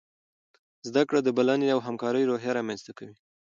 زده کړه د بلنې او همکارۍ روحیه رامنځته کوي.